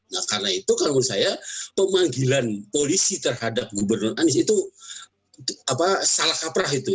nah karena itu kalau menurut saya pemanggilan polisi terhadap gubernur anies itu salah kaprah itu